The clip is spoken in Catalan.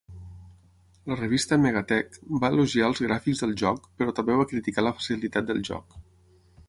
La revista "MegaTech" va elogiar els gràfics del joc, però també va criticar la facilitat del joc.